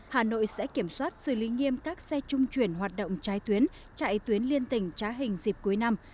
hà nội sẽ kiểm soát xử lý nghiêm các xe trung chuyển hoạt động trái tuyến chạy tuyến liên tình trá hình dịp cuối năm